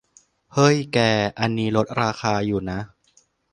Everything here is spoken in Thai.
เฮ้ย แก อันนี้ลดราคาอยู่นะ